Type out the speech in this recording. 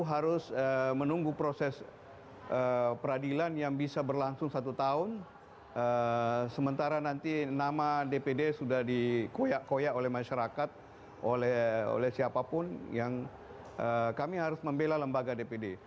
harus menunggu proses peradilan yang bisa berlangsung satu tahun sementara nanti nama dpd sudah dikuyak koyak oleh masyarakat oleh siapapun yang kami harus membela lembaga dpd